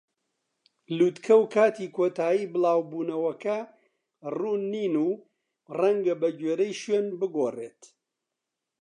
لووتکە و کاتی کۆتایی بڵاو بوونەوەکە ڕوون نین و ڕەنگە بەگوێرەی شوێن بگۆڕێت.